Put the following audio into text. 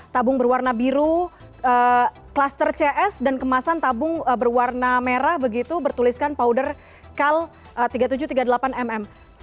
tabung berwarna biru klaster cs dan kemasan tabung berwarna merah begitu bertuliskan powder kms